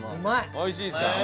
おいしいですか。